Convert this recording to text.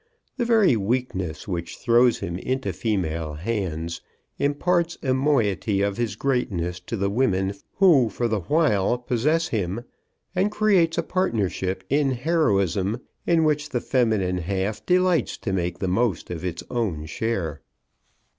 The very weakness which throws him into female hands imparts a moiety of his greatness to the women who for the while possess him, and creates a partnership in heroism, in which the feminine half delights to make the most of its own share.